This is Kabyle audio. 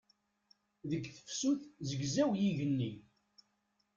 Deg tefsut zegzaw yigenni.